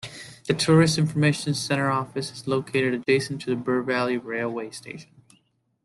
The Tourist Information Centre office is located adjacent to the Bure Valley Railway station.